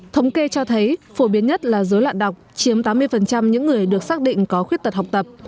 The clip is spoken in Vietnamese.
thống kê cho thấy phổ biến nhất là dối loạn đọc chiếm tám mươi những người được xác định có khuyết tật học tập